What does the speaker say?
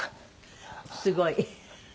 すごい。